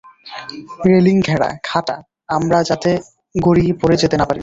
রেলিংঘেরা খাটা আমরা যাতে গড়িয়ে পড়ে যেতে না পারি।